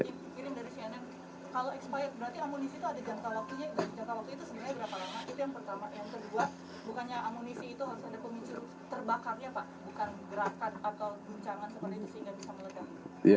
ada pemicu terbakarnya pak bukan gerakan atau pengecangan seperti ini sehingga bisa melelehkan